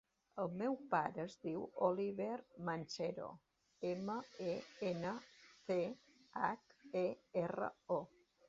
El meu pare es diu Oliver Menchero: ema, e, ena, ce, hac, e, erra, o.